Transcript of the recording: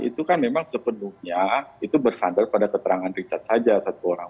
itu kan memang sepenuhnya itu bersandar pada keterangan richard saja satu orang